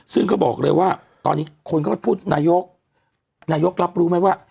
ซึ่งเขาบอกเลยว่าตอนนี้คนก็พูดนายกนายกรับรู้ไหมว่า